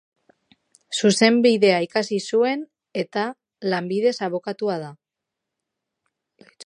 Zuzenbidea ikasi zuen eta, lanbidez, abokatua da.